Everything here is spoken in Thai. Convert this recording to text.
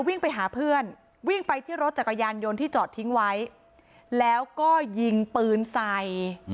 วิ่งไปหาเพื่อนวิ่งไปที่รถจักรยานยนต์ที่จอดทิ้งไว้แล้วก็ยิงปืนใส่